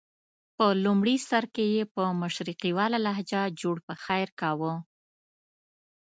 په لومړي سر کې یې په مشرقیواله لهجه جوړ پخیر کاوه.